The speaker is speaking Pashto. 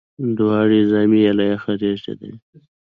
دواړي زامي یې له یخه رېږدېدلې